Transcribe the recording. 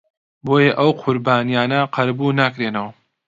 بۆیە ئەو قوربانییانە قەرەبوو ناکرێنەوە